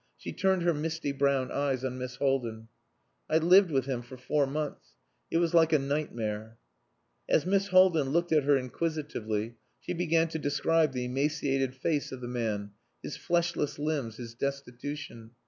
She turned her misty brown eyes on Miss Haldin. "I lived with him for four months. It was like a nightmare." As Miss Haldin looked at her inquisitively she began to describe the emaciated face of the man, his fleshless limbs, his destitution.